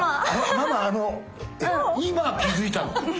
ママあの今気付いたの？